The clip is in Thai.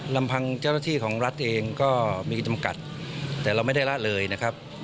ลำพังเจ้าหน้าที่ของรัฐเองก็มีจำกัดแต่เราไม่ได้ละเลยนะครับ